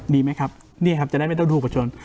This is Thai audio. มีไหมครับนี่ครับจะได้ไม่ต้องดูประชน